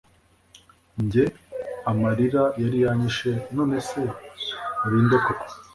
Njye amarira yari yanyishe none se urinde koko